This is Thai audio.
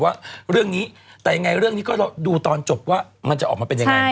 แต่เรื่องนี้เรื่องนี้ก็ดูตอนจบว่ามันจะออกมาเป็นยังไง